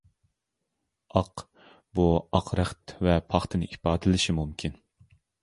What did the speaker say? «ئاق» بۇ ئاق رەخت ۋە پاختىنى ئىپادىلىشى مۇمكىن.